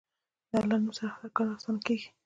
د الله نوم سره هر کار اسانه کېږي.